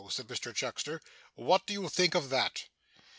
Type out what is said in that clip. said Mr Chuckster. 'What do you think of that?